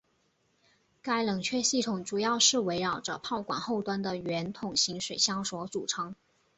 该冷却系统主要是围绕着炮管后端的圆筒形水箱所组成。